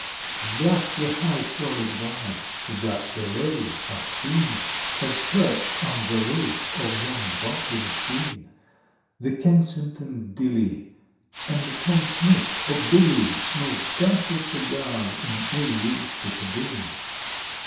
Thus the high frolic by—thus the lowly are seen, As perched on the roof of yon bulky machine, The Kensington dilly—and Tom Smith or Billy Smoke doubtful cigars in ill used Piccadilly.